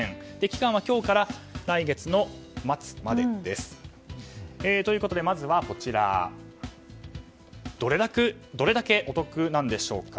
期間は今日から来月の末までです。ということで、まずはどれだけお得なんでしょうか？